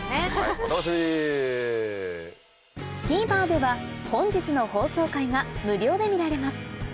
ＴＶｅｒでは本日の放送回が無料で見られます